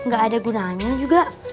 gak ada gunanya juga